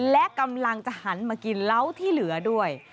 และกำลังจะหันมากินเหล้าที่เหลือด้วย